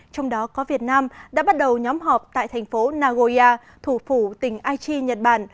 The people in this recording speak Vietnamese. trong đó có việt nam đã bắt đầu nhóm họp tại thành phố nagoya thủ phủ tỉnh aichi nhật bản